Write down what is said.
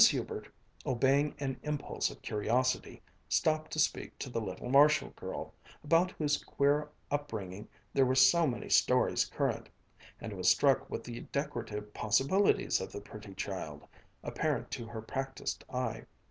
Hubert, obeying an impulse of curiosity, stopped to speak to the little Marshall girl, about whose queer upbringing there were so many stories current, and was struck with the decorative possibilities of the pretty child, apparent to her practised eye.